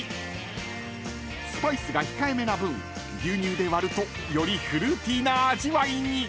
［スパイスが控えめな分牛乳で割るとよりフルーティーな味わいに］